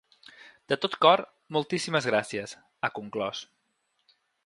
De tot cor, moltíssimes gràcies, ha conclòs.